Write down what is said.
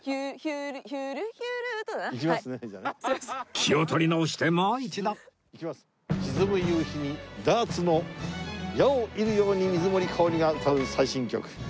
気を取り直してもう一度沈む夕日にダーツの矢を射るように水森かおりが歌う最新曲『九十九里浜』です。